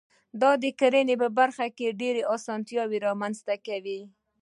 دا د کرنې په برخه کې ډېرې اسانتیاوي رامنځته کوي.